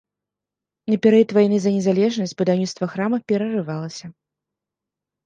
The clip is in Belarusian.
На перыяд вайны за незалежнасць будаўніцтва храма перарывалася.